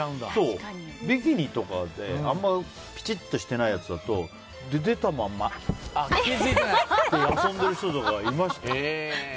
ビキニとかであんまりピチッとしてないやつだと出たまんま遊んでる人とかいましたよ。